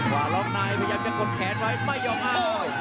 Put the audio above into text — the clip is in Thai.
ว่าล็อกในพยายามจะกดแขนไว้ไม่ยอมอ้าง